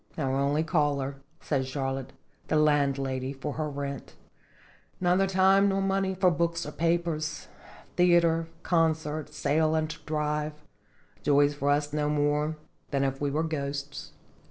"Our only caller," said Charlotte, "the landlady for her rent. Neither time nor money for books or papers. Theatre, concert, sail, and drive, joys for us no more than if we were ghosts."